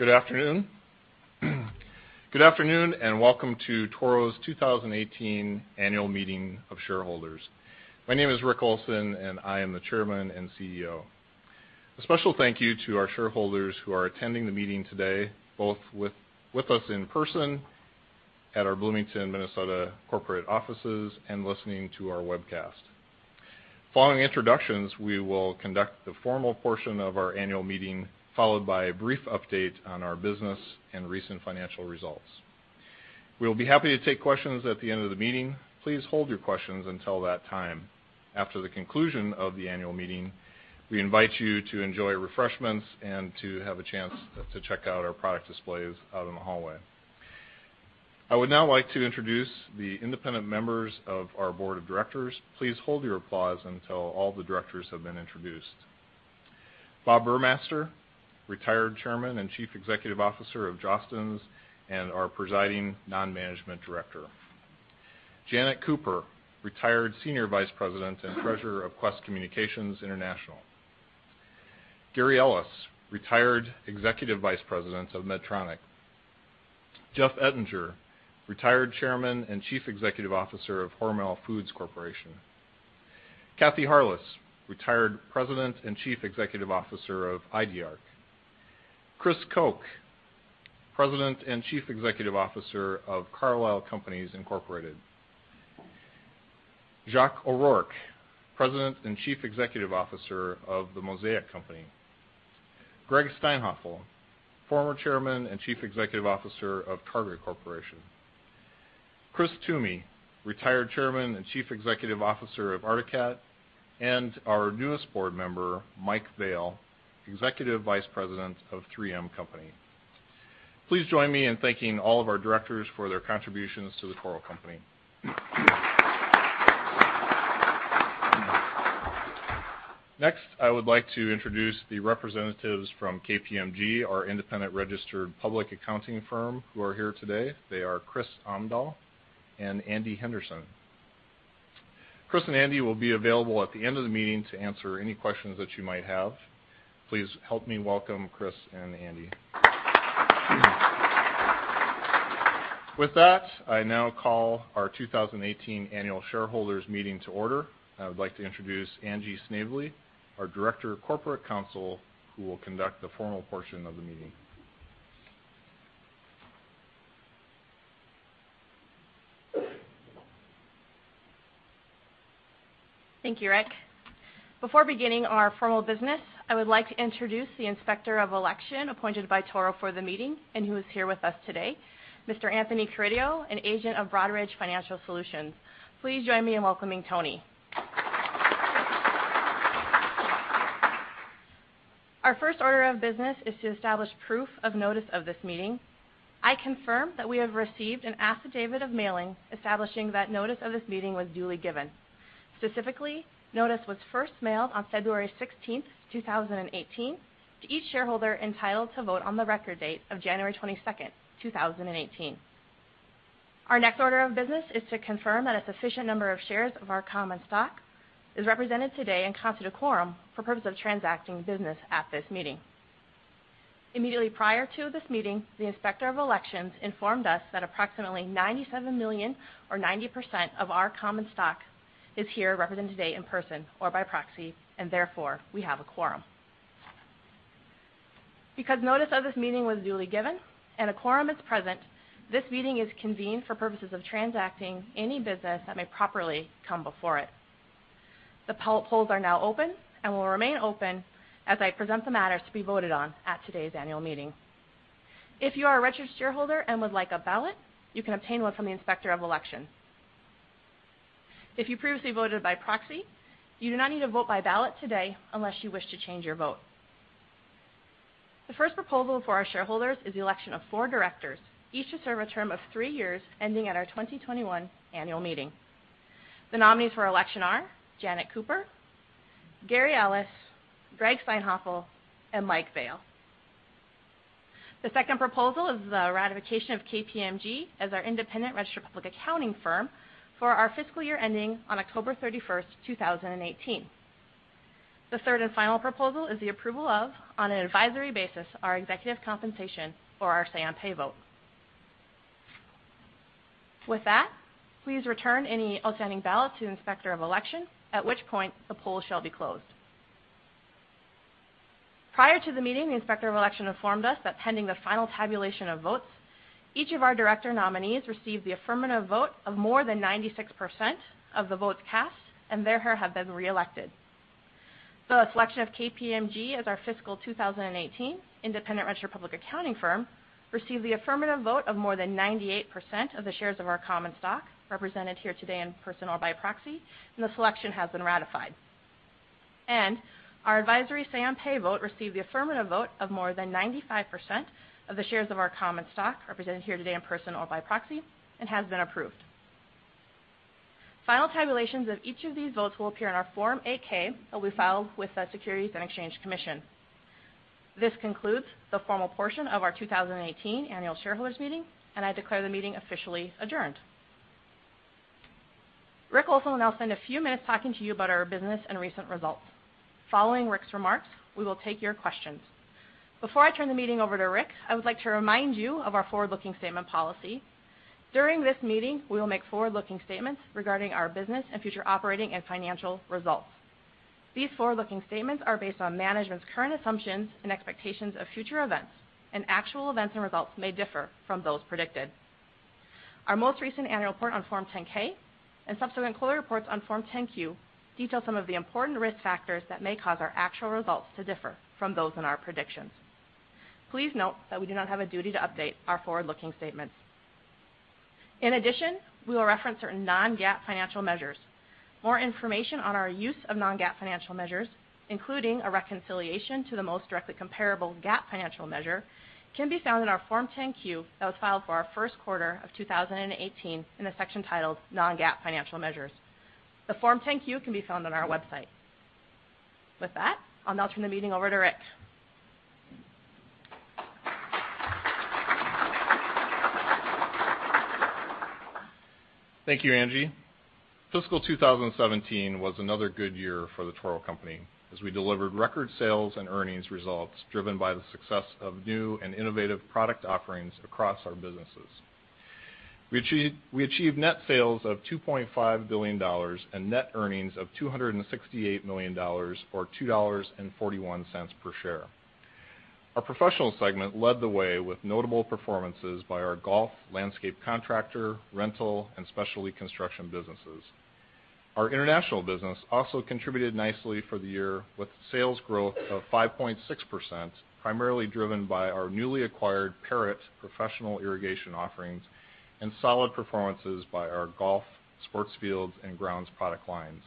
Good afternoon. Good afternoon, and welcome to Toro's 2018 Annual Meeting of Shareholders. My name is Rick Olson, and I am the Chairman and CEO. A special thank you to our shareholders who are attending the meeting today, both with us in person at our Bloomington, Minnesota corporate offices and listening to our webcast. Following introductions, we will conduct the formal portion of our annual meeting, followed by a brief update on our business and recent financial results. We'll be happy to take questions at the end of the meeting. Please hold your questions until that time. After the conclusion of the annual meeting, we invite you to enjoy refreshments and to have a chance to check out our product displays out in the hallway. I would now like to introduce the independent members of our board of directors. Please hold your applause until all the directors have been introduced. Bob Buhrmaster, retired Chairman and Chief Executive Officer of Jostens, and our presiding non-management director. Janet Cooper, retired Senior Vice President and Treasurer of Qwest Communications International. Gary Ellis, retired Executive Vice President of Medtronic. Jeff Ettinger, retired Chairman and Chief Executive Officer of Hormel Foods Corporation. Kathy Harless, retired President and Chief Executive Officer of Idearc. Chris Koch, President and Chief Executive Officer of Carlisle Companies Incorporated. Joc O'Rourke, President and Chief Executive Officer of The Mosaic Company. Gregg Steinhafel, former Chairman and Chief Executive Officer of Target Corporation. Chris Toomey, retired Chairman and Chief Executive Officer of Arctic Cat. Our newest board member, Mike Vale, Executive Vice President of 3M Company. Please join me in thanking all of our directors for their contributions to The Toro Company. Next, I would like to introduce the representatives from KPMG, our independent registered public accounting firm, who are here today. They are Chris Omdahl and Andy Henderson. Chris and Andy will be available at the end of the meeting to answer any questions that you might have. Please help me welcome Chris and Andy. With that, I now call our 2018 Annual Shareholders Meeting to order. I would like to introduce Angie Snavely, our Director of Corporate Counsel, who will conduct the formal portion of the meeting. Thank you, Rick. Before beginning our formal business, I would like to introduce the Inspector of Election appointed by Toro for the meeting and who is here with us today, Mr. Anthony Corradino, an agent of Broadridge Financial Solutions. Please join me in welcoming Tony. Our first order of business is to establish proof of notice of this meeting. I confirm that we have received an affidavit of mailing establishing that notice of this meeting was duly given. Specifically, notice was first mailed on February 16th, 2018, to each shareholder entitled to vote on the record date of January 22nd, 2018. Our next order of business is to confirm that a sufficient number of shares of our common stock is represented today and constitute a quorum for purpose of transacting business at this meeting. Immediately prior to this meeting, the Inspector of Elections informed us that approximately $97 million or 90% of our common stock is here represented today in person or by proxy, therefore we have a quorum. Because notice of this meeting was duly given and a quorum is present, this meeting is convened for purposes of transacting any business that may properly come before it. The polls are now open and will remain open as I present the matters to be voted on at today's annual meeting. If you are a registered shareholder and would like a ballot, you can obtain one from the Inspector of Election. If you previously voted by proxy, you do not need to vote by ballot today unless you wish to change your vote. The first proposal for our shareholders is the election of four directors, each to serve a term of three years ending at our 2021 annual meeting. The nominees for election are Janet Cooper, Gary Ellis, Gregg Steinhafel, and Mike Vale. The second proposal is the ratification of KPMG as our independent registered public accounting firm for our fiscal year ending on October 31st, 2018. The third and final proposal is the approval of, on an advisory basis, our executive compensation for our say on pay vote. With that, please return any outstanding ballot to the Inspector of Election, at which point the poll shall be closed. Prior to the meeting, the Inspector of Election informed us that pending the final tabulation of votes, each of our director nominees received the affirmative vote of more than 96% of the votes cast, therefore have been reelected. The selection of KPMG as our fiscal 2018 independent registered public accounting firm received the affirmative vote of more than 98% of the shares of our common stock represented here today in person or by proxy, the selection has been ratified. Our advisory say on pay vote received the affirmative vote of more than 95% of the shares of our common stock represented here today in person or by proxy and has been approved. Final tabulations of each of these votes will appear in our Form 8-K that we file with the Securities and Exchange Commission. This concludes the formal portion of our 2018 Annual Shareholders Meeting, I declare the meeting officially adjourned. Rick Olson will now spend a few minutes talking to you about our business and recent results. Following Rick's remarks, we will take your questions. Before I turn the meeting over to Rick, I would like to remind you of our forward-looking statement policy. During this meeting, we will make forward-looking statements regarding our business and future operating and financial results. These forward-looking statements are based on management's current assumptions and expectations of future events, actual events and results may differ from those predicted. Our most recent annual report on Form 10-K and subsequent quarterly reports on Form 10-Q detail some of the important risk factors that may cause our actual results to differ from those in our predictions. Please note that we do not have a duty to update our forward-looking statements. In addition, we will reference certain non-GAAP financial measures. More information on our use of non-GAAP financial measures, including a reconciliation to the most directly comparable GAAP financial measure, can be found in our Form 10-Q that was filed for our first quarter of 2018 in the section titled Non-GAAP Financial Measures. The Form 10-Q can be found on our website. With that, I'll now turn the meeting over to Rick. Thank you, Angie. Fiscal 2017 was another good year for The Toro Company, as we delivered record sales and earnings results driven by the success of new and innovative product offerings across our businesses. We achieved net sales of $2.5 billion and net earnings of $268 million, or $2.41 per share. Our Professional segment led the way with notable performances by our golf, landscape contractor, rental, and specialty construction businesses. Our International business also contributed nicely for the year with sales growth of 5.6%, primarily driven by our newly acquired Perrot professional irrigation offerings and solid performances by our golf, sports fields, and grounds product lines.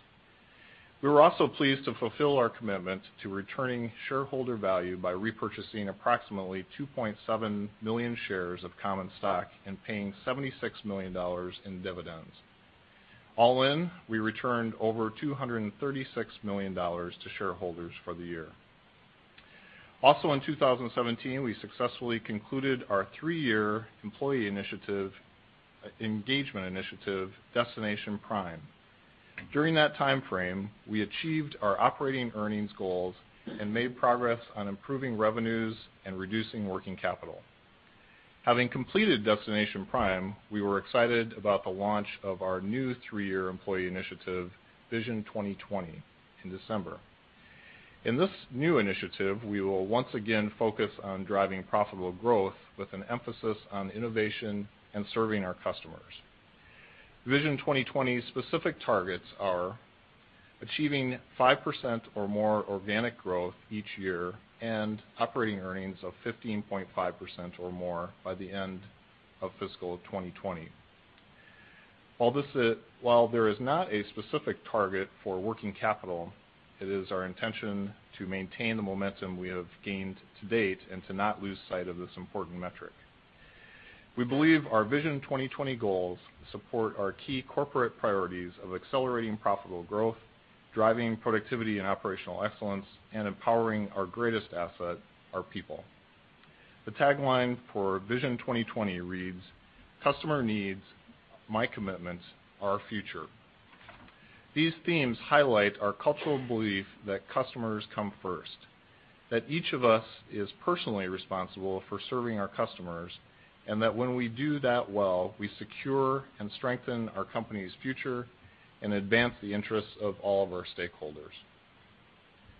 We were also pleased to fulfill our commitment to returning shareholder value by repurchasing approximately 2.7 million shares of common stock and paying $76 million in dividends. All in, we returned over $236 million to shareholders for the year. In 2017, we successfully concluded our three-year employee engagement initiative, Destination PRIME. During that timeframe, we achieved our operating earnings goals and made progress on improving revenues and reducing working capital. Having completed Destination PRIME, we were excited about the launch of our new three-year employee initiative, Vision 2020, in December. In this new initiative, we will once again focus on driving profitable growth with an emphasis on innovation and serving our customers. Vision 2020's specific targets are achieving 5% or more organic growth each year and operating earnings of 15.5% or more by the end of fiscal 2020. While there is not a specific target for working capital, it is our intention to maintain the momentum we have gained to date and to not lose sight of this important metric. We believe our Vision 2020 goals support our key corporate priorities of accelerating profitable growth, driving productivity and operational excellence, and empowering our greatest asset, our people. The tagline for Vision 2020 reads, "Customer needs. My commitments. Our future." These themes highlight our cultural belief that customers come first, that each of us is personally responsible for serving our customers, and that when we do that well, we secure and strengthen our company's future and advance the interests of all of our stakeholders.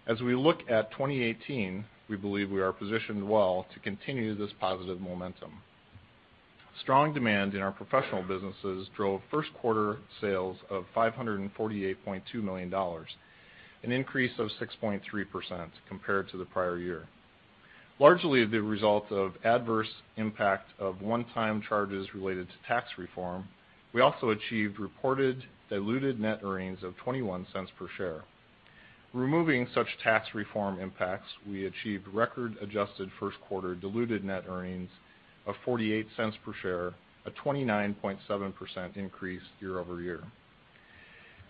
As we look at 2018, we believe we are positioned well to continue this positive momentum. Strong demand in our professional businesses drove first quarter sales of $548.2 million, an increase of 6.3% compared to the prior year. Largely the result of adverse impact of one-time charges related to tax reform, we also achieved reported diluted net earnings of $0.21 per share. Removing such tax reform impacts, we achieved record adjusted first quarter diluted net earnings of $0.48 per share, a 29.7% increase year-over-year.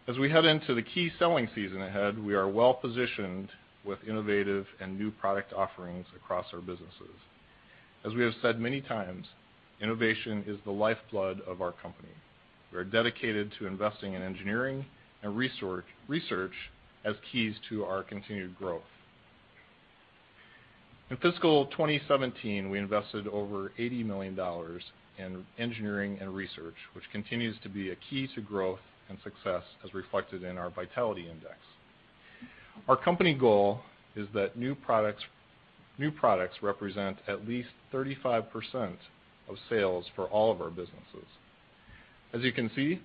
As we head into the key selling season ahead, we are well-positioned with innovative and new product offerings across our businesses. As we have said many times, innovation is the lifeblood of our company. We are dedicated to investing in engineering and research as keys to our continued growth. In fiscal 2017, we invested over $80 million in engineering and research, which continues to be a key to growth and success, as reflected in our vitality index. Our company goal is that new products represent at least 35% of sales for all of our businesses. You can see,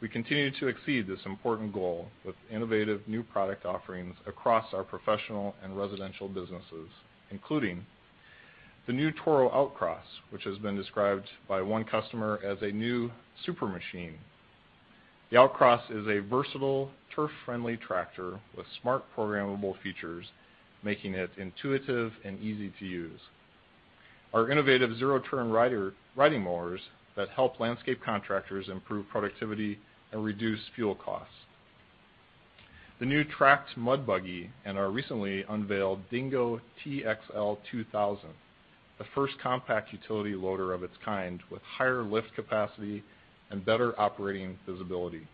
we continue to exceed this important goal with innovative new product offerings across our professional and residential businesses, including the new Toro Outcross, which has been described by one customer as a new super machine. The Outcross is a versatile, turf-friendly tractor with smart programmable features, making it intuitive and easy to use. Our innovative zero-turn riding mowers that help landscape contractors improve productivity and reduce fuel costs. The new tracked mud buggy and our recently unveiled Dingo TXL 2000, the first compact utility loader of its kind, with higher lift capacity and better operating visibility.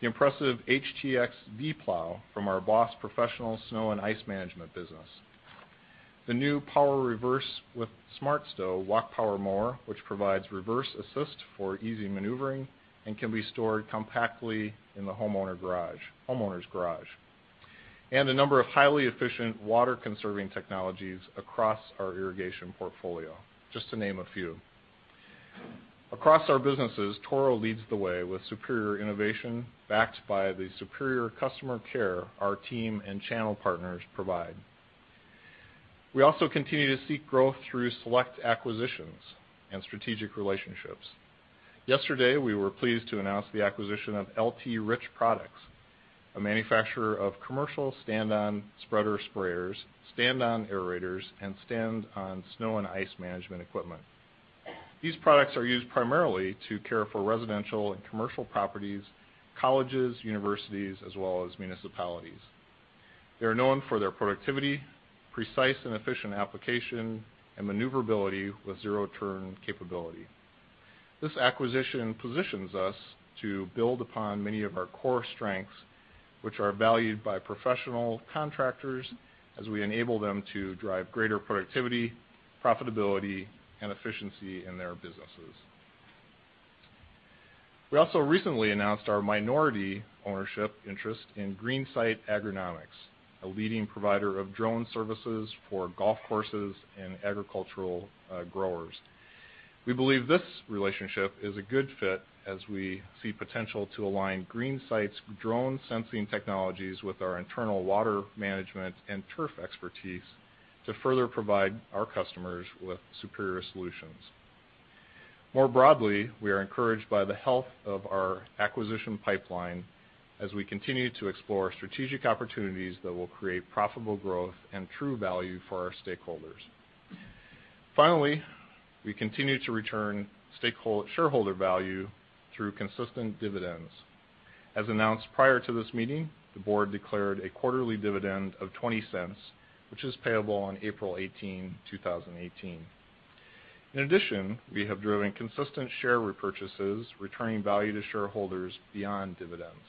The impressive HTX V-plow from our BOSS Professional Snow and Ice Management business. The new power reverse with SmartStow Walk Power Mower, which provides reverse assist for easy maneuvering and can be stored compactly in the homeowner's garage. A number of highly efficient water-conserving technologies across our irrigation portfolio, just to name a few. Across our businesses, Toro leads the way with superior innovation backed by the superior customer care our team and channel partners provide. We also continue to seek growth through select acquisitions and strategic relationships. Yesterday, we were pleased to announce the acquisition of L.T. Rich Products, a manufacturer of commercial stand-on spreader sprayers, stand-on aerators, and stand-on snow and ice management equipment. These products are used primarily to care for residential and commercial properties, colleges, universities, as well as municipalities. They're known for their productivity, precise and efficient application, and maneuverability with zero-turn capability. This acquisition positions us to build upon many of our core strengths, which are valued by professional contractors, as we enable them to drive greater productivity, profitability, and efficiency in their businesses. We also recently announced our minority ownership interest in GreenSight Agronomics, a leading provider of drone services for golf courses and agricultural growers. We believe this relationship is a good fit as we see potential to align GreenSight's drone sensing technologies with our internal water management and turf expertise to further provide our customers with superior solutions. More broadly, we are encouraged by the health of our acquisition pipeline as we continue to explore strategic opportunities that will create profitable growth and true value for our stakeholders. We continue to return shareholder value through consistent dividends. As announced prior to this meeting, the board declared a quarterly dividend of $0.20, which is payable on April 18, 2018. In addition, we have driven consistent share repurchases, returning value to shareholders beyond dividends.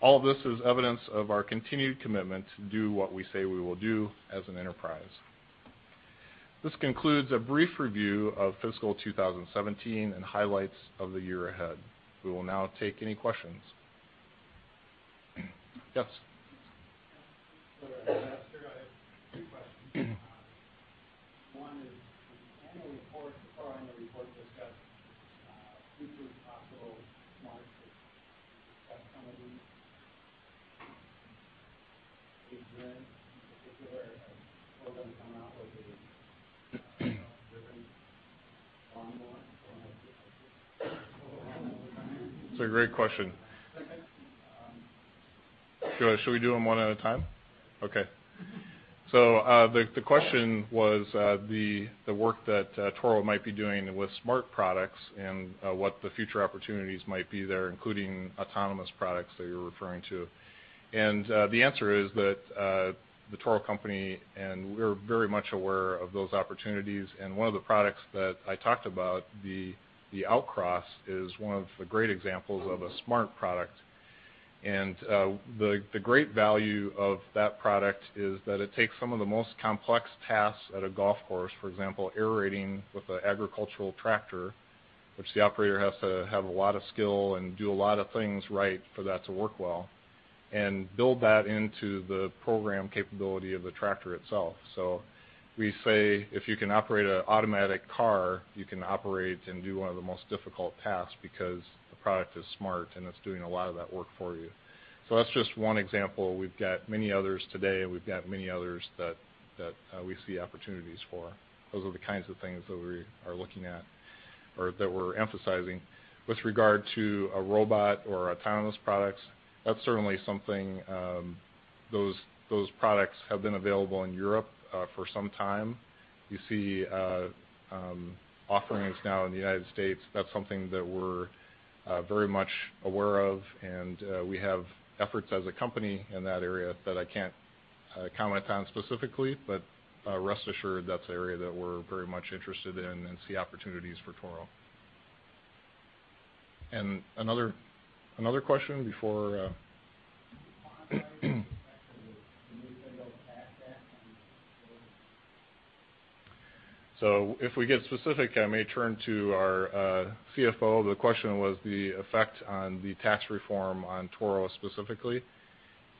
All this is evidence of our continued commitment to do what we say we will do as an enterprise. This concludes a brief review of fiscal 2017 and highlights of the year ahead. We will now take any questions. Yes. Sir, I have two questions. One is, the annual report discussed future possible smart in particular, or are we going to come out with a different lawnmower? It's a great question. Okay. Should we do them one at a time? Okay. The question was the work that Toro might be doing with smart products and what the future opportunities might be there, including autonomous products that you're referring to. The answer is that The Toro Company, we're very much aware of those opportunities. One of the products that I talked about, the Outcross, is one of the great examples of a smart product. The great value of that product is that it takes some of the most complex tasks at a golf course, for example, aerating with an agricultural tractor, which the operator has to have a lot of skill and do a lot of things right for that to work well, and build that into the program capability of the tractor itself. We say if you can operate an automatic car, you can operate and do one of the most difficult tasks because the product is smart, and it's doing a lot of that work for you. That's just one example. We've got many others today, and we've got many others that we see opportunities for. Those are the kinds of things that we are looking at or that we're emphasizing. With regard to a robot or autonomous products, that's certainly something, those products have been available in Europe for some time. You see offerings now in the United States. That's something that we're very much aware of, and we have efforts as a company in that area that I can't comment on specifically. Rest assured, that's an area that we're very much interested in and see opportunities for Toro. Another question before if we get specific, I may turn to our CFO. The question was the effect on the tax reform on Toro specifically.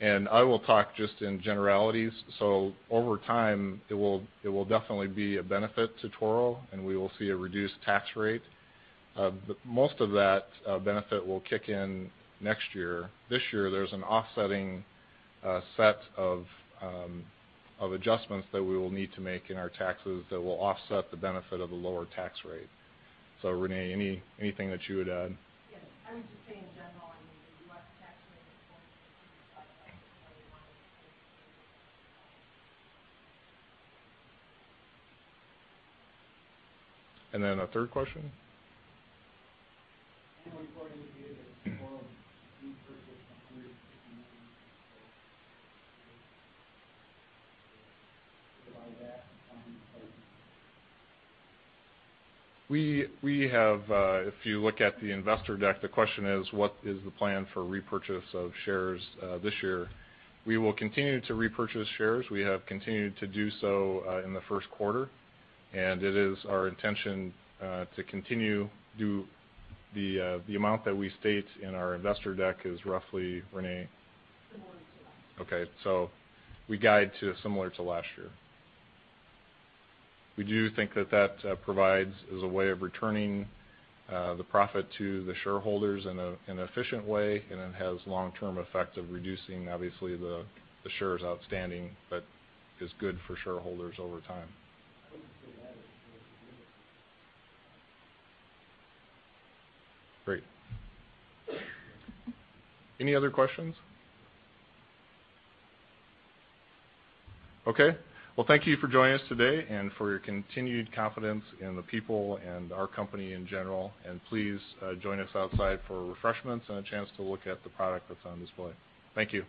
I will talk just in generalities. Over time, it will definitely be a benefit to Toro, and we will see a reduced tax rate. Most of that benefit will kick in next year. This year, there's an offsetting set of adjustments that we will need to make in our taxes that will offset the benefit of a lower tax rate. Renee, anything that you would add? Yes. I would just say in general, the U.S. tax rate is going to be. A third question. Annual report indicated that Toro repurchased $150 million in shares. Provide that. If you look at the investor deck, the question is, what is the plan for repurchase of shares this year? We will continue to repurchase shares. We have continued to do so in the first quarter, and it is our intention to continue. The amount that we state in our investor deck is roughly, Renee? Similar to last year. Okay. We guide to similar to last year. We do think that that provides as a way of returning the profit to the shareholders in an efficient way, and it has long-term effect of reducing, obviously, the shares outstanding but is good for shareholders over time. Great. Any other questions? Okay. Well, thank you for joining us today and for your continued confidence in the people and our company in general. Please, join us outside for refreshments and a chance to look at the product that's on display. Thank you.